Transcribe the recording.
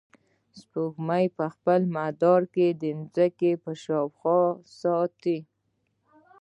سپوږمۍ په خپل مدار کې د ځمکې په شاوخوا ساتي.